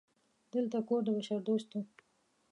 دلته کور د بشردوستو